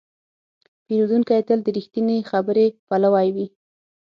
پیرودونکی تل د رښتینې خبرې پلوی وي.